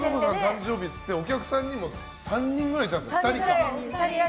誕生日っていってお客さんにも２人くらいいたんですよ。